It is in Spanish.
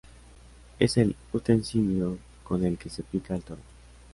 Es el utensilio con el que se pica al toro.